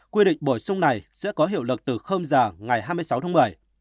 quy định bổ sung này sẽ có hiệu lực từ giờ ngày hai mươi sáu tháng một mươi